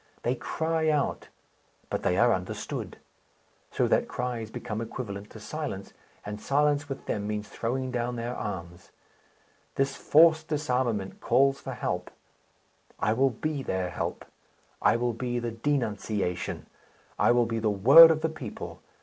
They cry out, but they are understood; so that cries become equivalent to silence, and silence with them means throwing down their arms. This forced disarmament calls for help. I will be their help; I will be the Denunciation; I will be the Word of the people.